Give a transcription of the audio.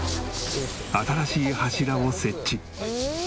新しい柱を設置。